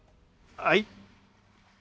はい。